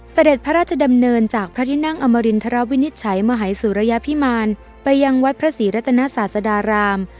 เสด็จพระราชดำเนินจากพระที่นั่งอมรินทรวินิจฉัยมหายสุรยพิมารไปยังวัดพระศรีรัตนศาสดาราม